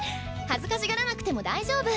恥ずかしがらなくても大丈夫。